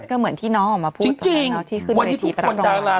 เพื่อเหมือนที่น้องออกมาพูดแล้วที่ขึ้นเวทีประตังค์ตรงไหล่